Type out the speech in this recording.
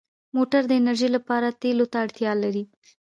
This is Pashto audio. موټر د انرژۍ لپاره تېلو ته اړتیا لري.